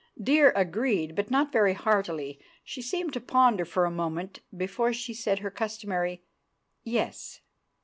Dear agreed, but not very heartily; she seemed to ponder for a moment before she said her customary "Yes."